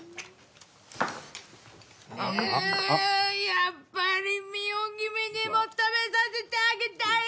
やっぱり澪君にも食べさせてあげたい！